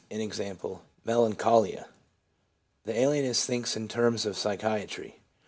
e., melancholia/ The alienist thinks in terms of psychiatry.